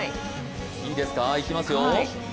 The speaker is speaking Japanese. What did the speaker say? いいですか、いきますよ。